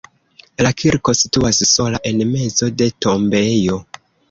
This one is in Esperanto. La kirko situas sola en mezo de tombejo.